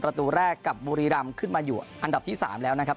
ประตูแรกกับบุรีรำขึ้นมาอยู่อันดับที่๓แล้วนะครับ